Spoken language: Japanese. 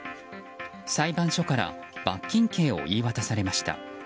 裁判所から罰金刑を言い渡されました。